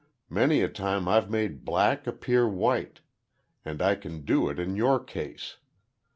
Many a time I've made black appear white—and I can do it in your case.